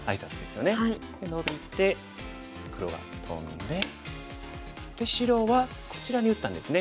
ノビて黒がトンで白はこちらに打ったんですね。